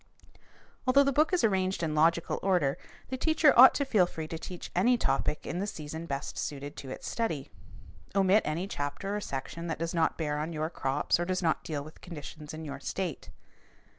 Although the book is arranged in logical order, the teacher ought to feel free to teach any topic in the season best suited to its study. Omit any chapter or section that does not bear on your crops or does not deal with conditions in your state.